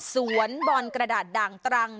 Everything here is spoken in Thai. สวนบอลกระดาษด่างตรัง